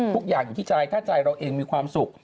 ทุกอย่างอยู่ที่ใจถ้าใจเราเองมีความสุข